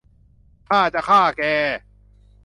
ข้าจะฆ่าแก !